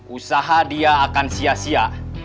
usaha dia akan sia sia